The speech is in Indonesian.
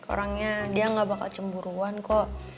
orangnya dia gak bakal cemburuan kok